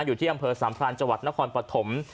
อยู่ที่อำเภอสามพลาณจนครปฐม